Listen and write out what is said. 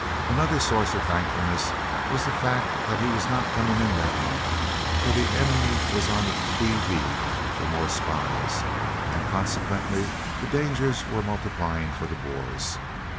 Another source of thankfulness was the fact that he was not coming in that month, for the enemy was on the qui vive for more spies, and consequently the dangers were multiplying for the Boers.